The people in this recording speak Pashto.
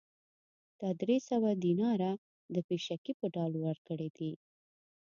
دا درې سوه دیناره د پېشکي په ډول ورکړي دي